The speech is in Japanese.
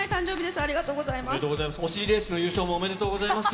おめでとうございます。